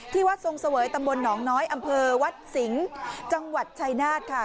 วัดทรงเสวยตำบลหนองน้อยอำเภอวัดสิงห์จังหวัดชายนาฏค่ะ